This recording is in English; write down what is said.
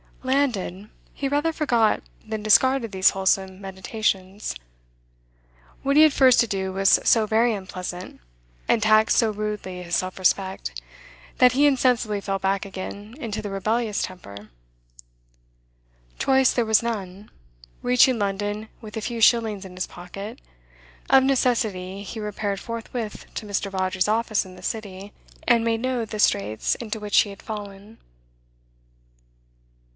Landed, he rather forgot than discarded these wholesome meditations. What he had first to do was so very unpleasant, and taxed so rudely his self respect, that he insensibly fell back again into the rebellious temper. Choice there was none; reaching London with a few shillings in his pocket, of necessity he repaired forthwith to Mr Vawdrey's office in the City, and made known the straits into which he had fallen.